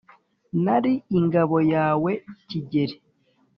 nari ingabo yawe kigeli,